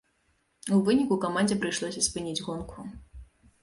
У выніку камандзе прыйшлося спыніць гонку.